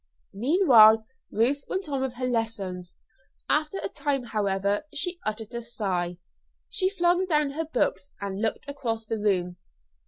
Meanwhile Ruth went on with her lessons. After a time, however, she uttered a sigh. She flung down her books and looked across the room.